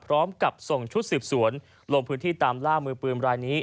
พร้อมกับส่งชุดสืบสวนลงพื้นที่ตามล่ามือปืนรายนี้